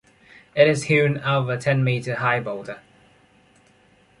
It is hewn out of a ten meter high boulder.